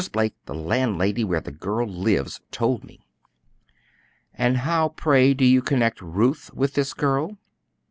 Blake, the landlady where the girl lives, told me." "And how, pray, do you connect Ruth with this girl?"